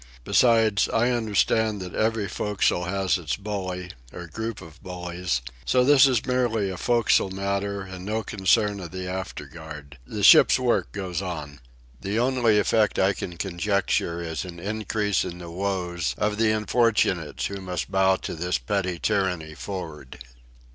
Besides, I understand that every forecastle has its bully, or group of bullies; so this is merely a forecastle matter and no concern of the afterguard. The ship's work goes on. The only effect I can conjecture is an increase in the woes of the unfortunates who must bow to this petty tyranny for'ard.